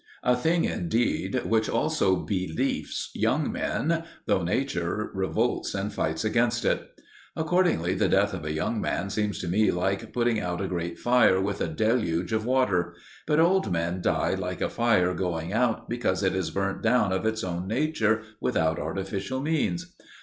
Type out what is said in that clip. A thing, indeed, which also befalls young men, though nature revolts and fights against it. Accordingly, the death of young men seems to me like putting out a great fire with a deluge of water; but old men die like a fire going out because it has burnt down of its own nature without artificial means.